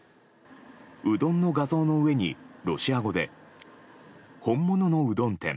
うどんの画像の上にロシア語で本物のうどん店